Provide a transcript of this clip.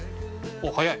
おっ早い。